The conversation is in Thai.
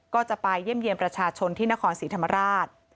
ก็จะไปเยี่ยมเยี่ยมประชาชนที่นครศรีธรรมราช